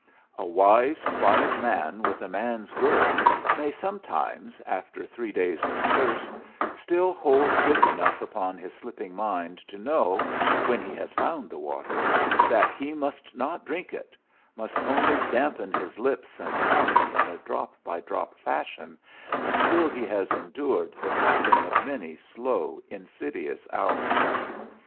A wise, quiet man, with a man's will, may sometimes after three days of thirst still hold grip enough upon his slipping mind to know, when he has found the water, that he must not drink it, must only dampen his lips and tongue in a drop by drop fashion until he has endured the passing of many slow, insidious hours.